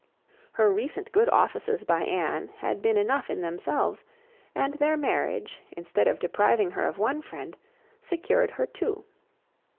Her recent good offices by Anne had been enough in themselves, and their marriage, instead of depriving her of one friend, secured her two.